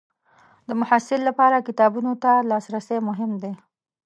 د محصل لپاره کتابونو ته لاسرسی مهم دی.